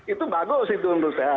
itu bagus itu menurut saya